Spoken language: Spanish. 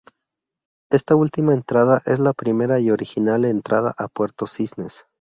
Esta ultima entrada, es la primera y original entrada a Puerto Cisnes.